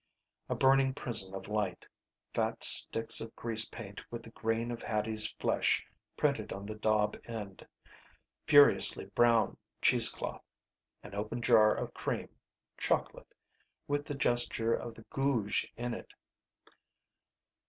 A burning prison of light. Fat sticks of grease paint with the grain of Hattie's flesh printed on the daub end. Furiously brown cheesecloth. An open jar of cream (chocolate) with the gesture of the gouge in it.